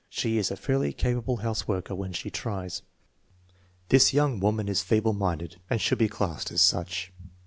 She is a fairly capable houseworker when she tries. Tliis young woman is feeble minded and should be classed as such.